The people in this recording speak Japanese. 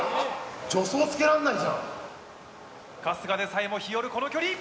春日でさえもヒヨるこの距離。